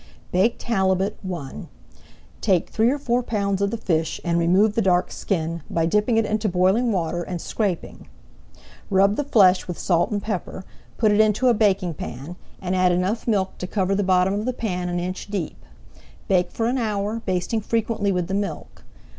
BAKED HALIBUT I Take three or four pounds of the fish and remove the dark skin, by dipping it into boiling water and scraping. Rub the flesh with salt and pepper, put it into a baking pan, and add enough milk to cover the bottom of the pan an inch deep. Bake for an hour, basting frequently with the milk.